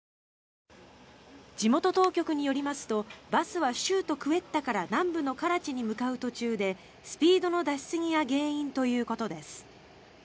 地元当局によりますとバスは州都クエッタから南部のカラチに向かう途中でスピードの出しすぎが原因ということです。